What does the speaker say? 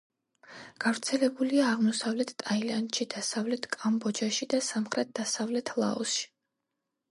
გავრცელებულია აღმოსავლეთ ტაილანდში, დასავლეთ კამბოჯაში და სამხრეთ-დასავლეთ ლაოსში.